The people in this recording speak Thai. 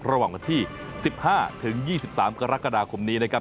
ระหว่างวันที่๑๕๒๓กรกฎาคมนี้นะครับ